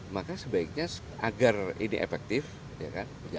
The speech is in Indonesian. maka sebaiknya agar ini efektif ya kan